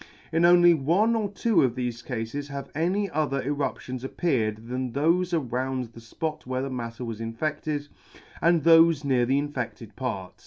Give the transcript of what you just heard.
In only one or two of the Cafes have any other eruptions appeared than thafe around the fpot where the matter was inferted, and thofe near the infedted part.